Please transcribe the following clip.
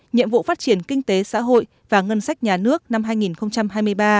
nhiệm vụ phát triển kinh tế xã hội và ngân sách nhà nước năm hai nghìn hai mươi ba